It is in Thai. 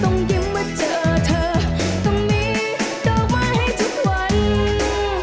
ต้องกินเมื่อเจอเธอก็มีโดกมาให้ทุกวัน